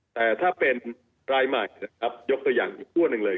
แต่ถ้าเป็นรายใหม่นะครับยกตัวอย่างอีกขั้วหนึ่งเลย